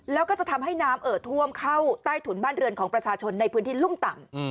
แล้วก็จะทำให้น้ำเอ่อท่วมเข้าใต้ถุนบ้านเรือนของประชาชนในพื้นที่รุ่มต่ำ